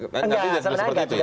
nanti jadi seperti itu ya